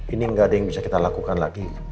ini ini gak ada yang bisa kita lakukan lagi